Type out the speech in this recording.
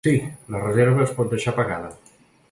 Sí, la reserva es pot deixar pagada.